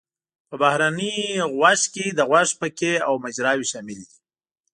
په بهرني غوږ کې د غوږ پکې او مجراوې شاملې دي.